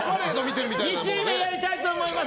２週目やりたいと思います。